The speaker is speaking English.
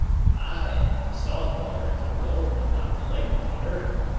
"Ay, to salt water if you will, but not to lake water.